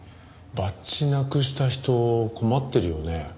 バッジなくした人困ってるよね。